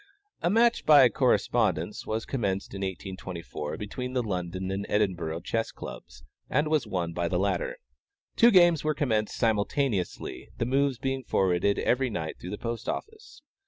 A match by correspondence was commenced in 1824, between the London and Edinburgh Chess Clubs, and was won by the latter. Two games were commenced simultaneously, the moves being forwarded every night through the post office.